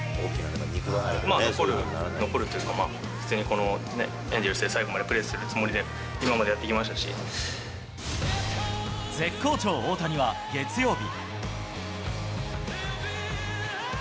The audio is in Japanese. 残る、残るというか、普通にこのエンゼルスで最後までプレーするつもりで、今までやっ絶好調、大谷は月曜日。